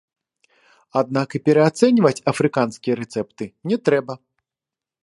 Аднак і пераацэньваць афрыканскія рэцэпты не трэба.